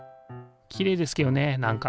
きれいですけどねなんか。